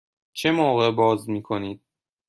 چه موقع باز می کنید؟